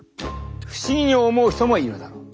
不思議に思う人もいるだろう。